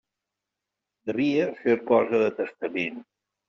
Devia ser cosa de testament.